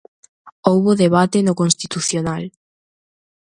Houbo debate no Constitucional.